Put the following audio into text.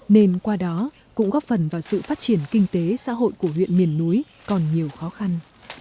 nên qua đó cũng góp phần vào sự phát triển kinh tế xã hội của huyện miền núi còn nhiều khó khăn